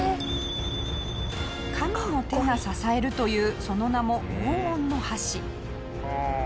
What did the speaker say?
神の手が支えるというその名も「黄金の橋」。